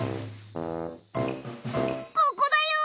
ここだよ！